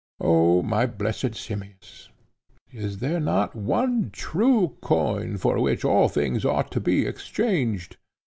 O my blessed Simmias, is there not one true coin for which all things ought to be exchanged?